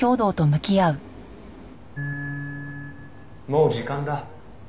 「もう時間だ」